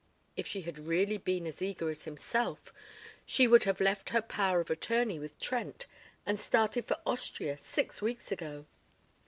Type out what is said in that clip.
... If she had really been as eager as himself she would have left her power of attorney with Trent and started for Austria six weeks ago.